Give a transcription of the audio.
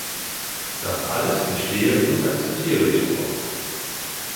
Das alles verstehe und akzeptiere ich auch.